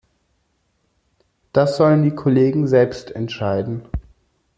Das sollen die Kollegen selbst entscheiden.